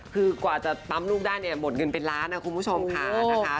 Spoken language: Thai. คือกว่าจะปั๊มลูกได้เนี่ยหมดเงินเป็นล้านนะคุณผู้ชมค่ะนะคะ